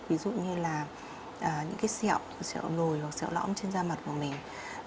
ví dụ như là những sẹo nồi hoặc sẹo lõm trên da mặt của mình